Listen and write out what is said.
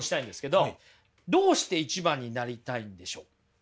どうして一番になりたいんでしょう？